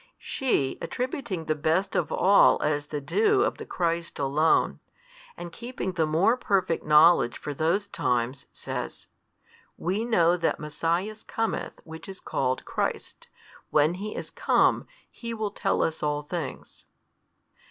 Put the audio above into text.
She attributing the best of all as the due of the Christ alone, and keeping the more perfect knowledge for those times, says, We know that Messias cometh Which is called Christ; when He is come, He will tell us all things.